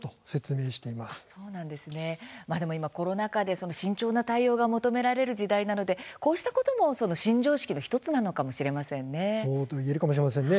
ただ今、コロナ禍で慎重な対応が求められる時代なので、こうしたことも新常識の１つなのかもしれませんね。